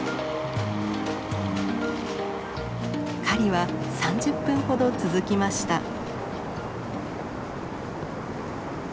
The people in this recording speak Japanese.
狩りは３０分ほど続きました。